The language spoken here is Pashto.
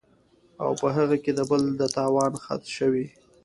او پۀ هغې کې د بل د تاوان خدشه وي